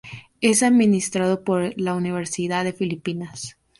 Es administrado por la Universidad de Filipinas.